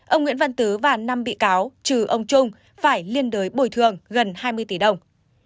ông nguyễn văn tứ và năm bị cáo trừ ông trung phải liên đới bồi thường gần hai mươi tỷ đồng